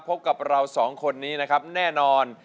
พบกับเราสองคนนี้นะครับแน่นอน